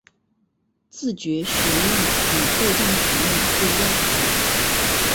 自觉学用与被动学用不一样